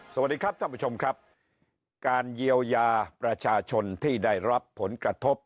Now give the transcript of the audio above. สวัสดีครับท่านผู้ชมครับการเยียวยาประชาชนที่ได้รับผลกระทบ